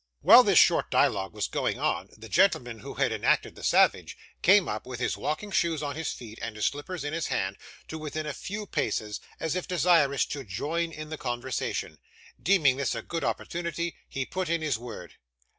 While this short dialogue was going on, the gentleman who had enacted the savage, came up, with his walking shoes on his feet, and his slippers in his hand, to within a few paces, as if desirous to join in the conversation. Deeming this a good opportunity, he put in his word.